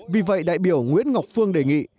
vì vậy đại biểu nguyễn ngọc phương đề nghị